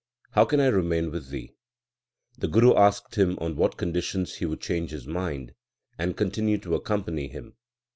How can I remain with thee ? The Guru asked him on what conditions he would change his mind and continue to accompany him.